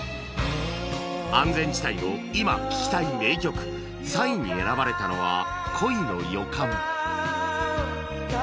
安全地帯の今聴きたい名曲３位に選ばれたのは『恋の予感』